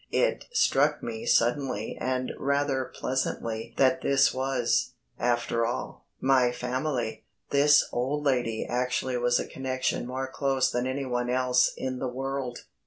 It struck me suddenly and rather pleasantly that this was, after all, my family. This old lady actually was a connection more close than anyone else in the world.